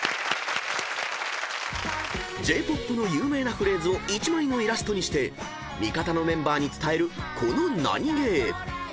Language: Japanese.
［Ｊ−ＰＯＰの有名なフレーズを１枚のイラストにして味方のメンバーに伝えるこのナニゲー］